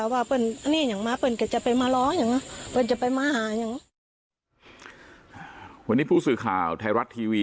วันนี้ผู้สื่อข่าวไทยรัฐทีวี